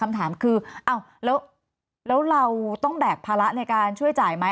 คำถามคืออ้าวแล้วเราต้องแบกภาระในการช่วยจ่ายไหม